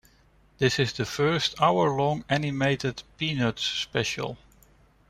This is the first hour-long animated "Peanuts" special.